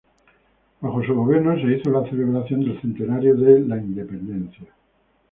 Bajo su gobierno se hizo la celebración del Centenario de la Independencia.